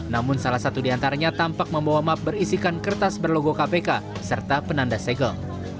namun salah satu diantaranya tampak membawa map berisikan kertas berlogo kpk serta penanda segel